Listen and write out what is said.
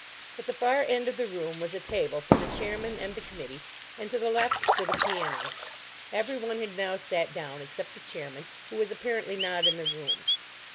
At the far end of the room was a table for the chairman and the committee, and to the left stood a piano. Everyone had now sat down except the chairman, who was apparently not in the room.